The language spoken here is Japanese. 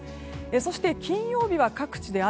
そして、金曜日は各地で雨。